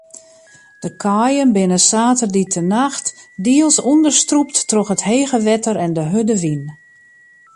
De kaaien binne saterdeitenacht diels ûnderstrûpt troch it hege wetter en de hurde wyn.